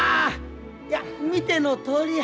いや見てのとおりや。